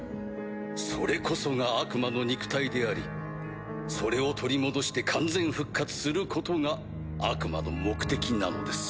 それこそが悪魔の肉体でありそれを取り戻して完全復活することが悪魔の目的なのです。